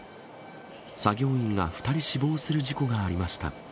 作業員が２人死亡する事故がありました。